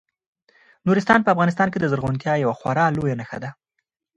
نورستان په افغانستان کې د زرغونتیا یوه خورا لویه نښه ده.